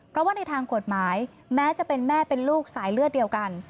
เพราะว่าในทางกฎหมายแม้จะเป็นแม่เป็นลูกสายเลือดเดียวกัน